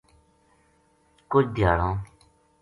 کُجھ دھیاڑاں